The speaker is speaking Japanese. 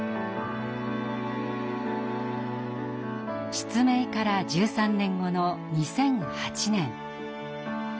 失明から１３年後の２００８年。